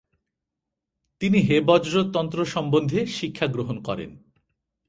তিনি হেবজ্র তন্ত্র সম্বন্ধে শিক্ষাগ্রহণ করেন।